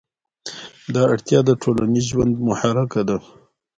دا اړتیا د ټولنیز ژوند محرکه ده.